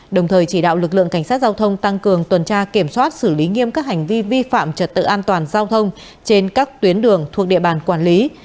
đồng thời chỉ đạo lực lượng cảnh sát giao thông tăng cường tuần tra kiểm soát xử lý nghiêm các hành vi vi phạm trật tự an toàn giao thông trên các tuyến đường thuộc địa bàn quản lý